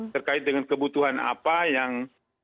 terkait dengan kebutuhan apa yang